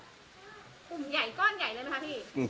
กลุ่มใหญ่ก้อนใหญ่เลยไหมคะพี่